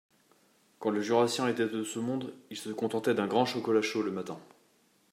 Quand le Jurassien était de ce monde, il se contentait d’un grand chocolat chaud le matin